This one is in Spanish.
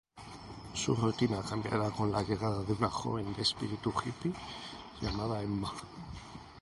Su rutina cambiará con la llegada de una joven de espíritu hippie llamada Emma.